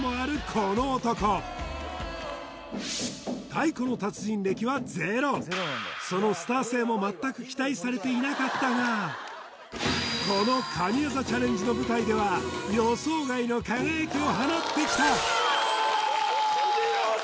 この男そのスター性も全く期待されていなかったがこの神業チャレンジの舞台では予想外の輝きを放ってきたうおーっ！